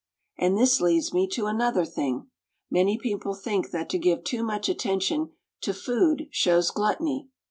And this leads me to another thing: many people think that to give too much attention to food shows gluttony.